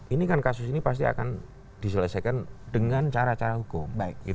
ini kan kasus ini pasti akan diselesaikan dengan cara cara hukum